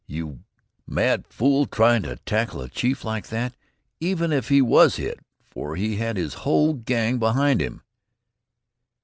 "You mad fool, trying to tackle a chief like that even if he was hit, for he had his whole gang behind him."